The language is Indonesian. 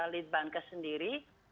lead bankers sendiri